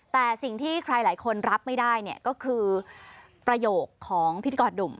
แต่สิ่งที่ใครหลายคนรับไม่ได้เนี่ยก็คือประโยคของพิธีกรหนุ่ม